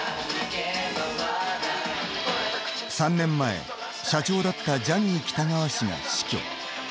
３年前、社長だったジャニー喜多川氏が死去。